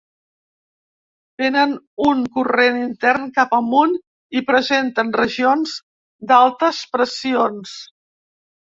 Tenen un corrent intern cap amunt i presenten regions d'altes pressions.